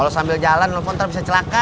kalau sambil jalan telfon nanti bisa celaka